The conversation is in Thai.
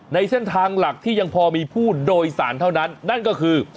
ในเส้นทางหลักที่ยังพอมีผู้โดยสารเท่านั้นนั่นก็คือ